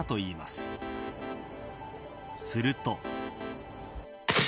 すると。